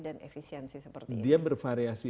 dan efisiensi seperti ini dia bervariasi